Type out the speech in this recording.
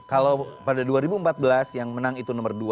kalau pada dua ribu empat belas yang menang itu nomor dua